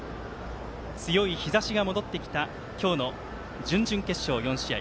強い日ざしが戻ってきた今日の準々決勝、４試合。